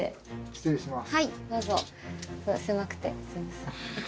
失礼します。